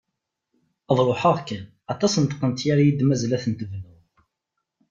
Ad ruḥeɣ kan, aṭas n tqenṭyar i yi-d-mazal ad tent-bnuɣ!